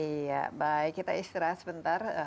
iya baik kita istirahat sebentar